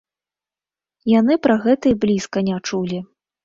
Яны пра гэта і блізка не чулі.